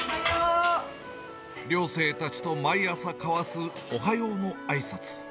寮生たちと毎朝交わすおはようのあいさつ。